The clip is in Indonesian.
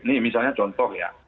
ini misalnya contoh ya